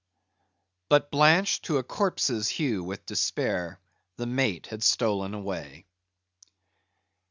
But blanched to a corpse's hue with despair, the Mate had stolen away.